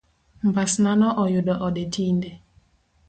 Mbasnano oyudo ode tinde.